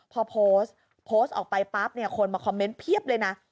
พอโพสต์โพสต์ออกไปปั๊บเนี่ยคนมาคอมเมนต์เพียบเลยนะ